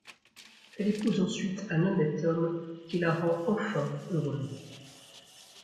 Elle épouse ensuite un honnête homme qui la rend enfin heureuse.